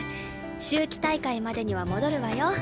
秋季大会までには戻るわよ。